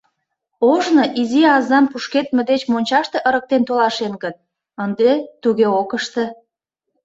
Ожно изи азам пушкедме деч мончаште ырыктен толашен гын, ынде туге ок ыште.